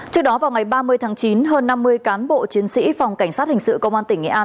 trước đó vào ngày ba mươi tháng chín hơn năm mươi cán bộ chiến sĩ phòng cảnh sát hình sự công an tỉnh nghệ an